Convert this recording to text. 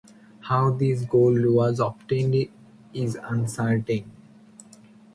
How this gold was obtained is uncertain.